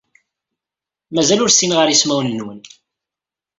Mazal ur ssineɣ ara isemawen-nwen.